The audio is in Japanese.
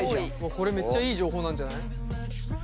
これめっちゃいい情報なんじゃない？